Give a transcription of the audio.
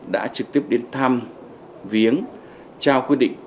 đã trực tiếp đến thăm viếng trao quyết định